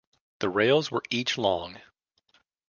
The rails were each long.